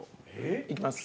いきます。